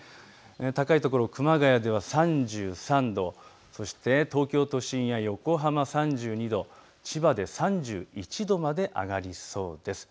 高い所、熊谷では３３度、東京都心や横浜３２度、千葉で３１度まで上がりそうです。